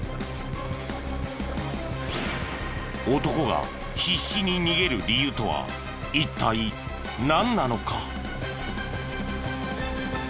男が必死に逃げる理由とは一体なんなのか？